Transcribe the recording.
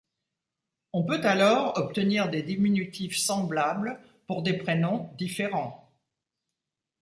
On peut alors obtenir des diminutifs semblables pour des prénoms différents.